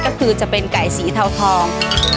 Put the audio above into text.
ก็คือจะเป็นไก่สีเทาทอง